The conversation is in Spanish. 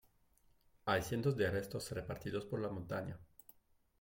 Hay cientos de restos repartidos por la montaña.